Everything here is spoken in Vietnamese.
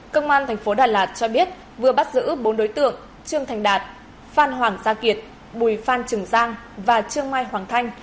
công an tp đà lạt cho biết vừa bắt giữ bốn đối tượng trương thành đạt phan hoàng gia kiệt bùi phan trường giang và trương mai hoàng thanh